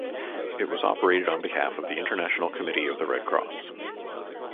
It was operated on behalf of the International Committee of the Red Cross.